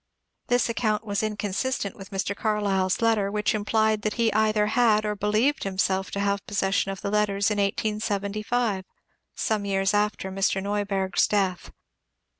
This account was incon sistent with Mr. Carlyle's letter, which implied that he either had or believed himself to have possession of the letters in 1875, some years after Mr. Neuberg's death.